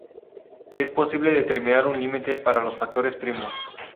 Es posible determinar un límite para los factores primos.